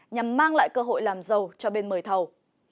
nhằm mang lại cơ hội làm giàu cho bên mời thầu